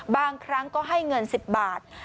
บางครั้งก็ให้เงิน๑๐บาท